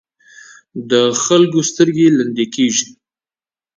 د خلکو سترګې لمدې کېږي.